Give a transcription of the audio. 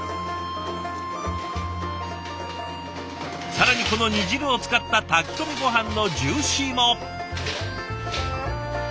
更にこの煮汁を使った炊き込みごはんのジューシーも！